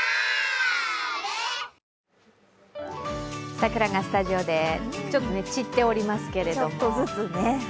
桜がスタジオでちょっと散っておりますけれども。